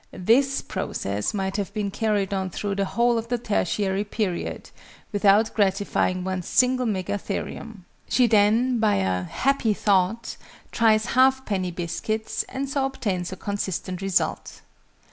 This process might have been carried on through the whole of the Tertiary Period, without gratifying one single Megatherium.) She then, by a "happy thought," tries half penny biscuits, and so obtains a consistent result.